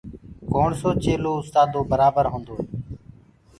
ڪوڻسو چيلو اُستآدو برآبر هوندوئي